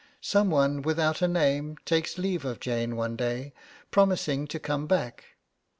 Some one without a name takes leave of Jane one day, promising to come back.